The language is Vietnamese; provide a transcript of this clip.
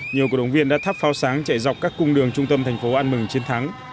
nhiều cổ động viên đã thắp pháo sáng chạy dọc các cung đường trung tâm thành phố ăn mừng chiến thắng